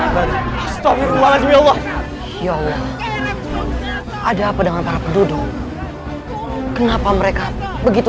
ya allah ada apa dengan para penduduk kenapa mereka begitu